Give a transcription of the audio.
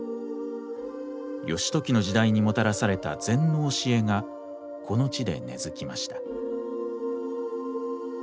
義時の時代にもたらされた禅の教えがこの地で根づきました。